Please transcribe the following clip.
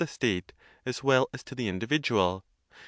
xviii state as well as to the iiidividual.